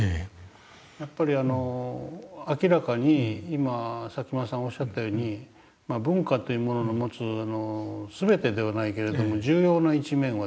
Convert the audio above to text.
やっぱり明らかに今佐喜眞さんおっしゃったように文化というものの持つ全てではないけれども重要な一面はですね